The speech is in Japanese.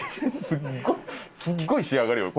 すっごい仕上がりよ